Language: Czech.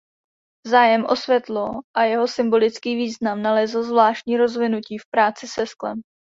Zájem o světlo a jeho symbolický význam nalezl zvláštní rozvinutí v práci se sklem.